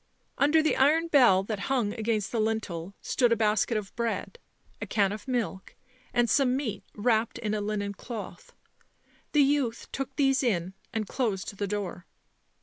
Under the iron bell that hung against the lintel stood a basket of bread, a can of milk and some meat wrapped in a linen cloth ; the youth took these in and closed the door.